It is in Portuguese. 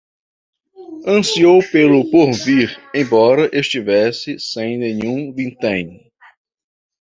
Ansiou pelo porvir, embora estivesse sem nenhum vintém